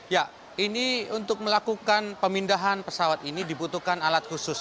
ya ini untuk melakukan pemindahan pesawat ini dibutuhkan alat khusus